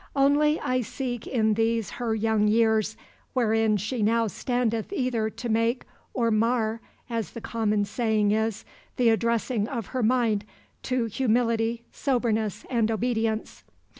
"Only I seek in these her young years, wherein she now standeth either to make or mar (as the common saying is) the addressing of her mind to humility, soberness, and obedience."